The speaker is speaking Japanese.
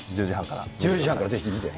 １０時半から見て。